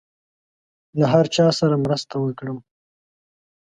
له هر چا سره مرسته وکړم.